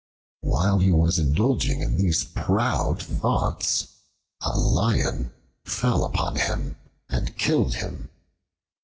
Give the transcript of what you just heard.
While he was indulging in these proud thoughts, a Lion fell upon him and killed him.